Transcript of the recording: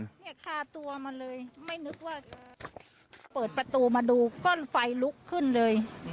เนี่ยคาตัวมาเลยไม่นึกว่าจะเปิดประตูมาดูก้อนไฟลุกขึ้นเลย